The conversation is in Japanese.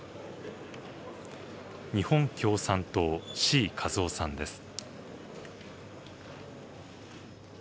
日本共産党、志位和夫さんです。